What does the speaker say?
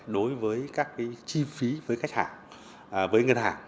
đối với các cái chi phí với khách hàng với ngân hàng